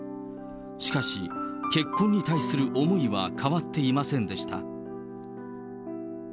しかし、結婚に対する思いは変わっていませんでした。